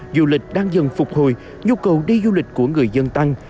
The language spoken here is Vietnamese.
du lịch đang dần phục hồi nhu cầu đi du lịch của người dân tăng